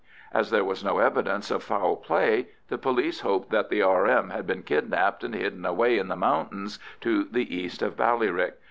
As there was no evidence of foul play, the police hoped that the R.M. had been kidnapped and hidden away in the mountains to the east of Ballyrick.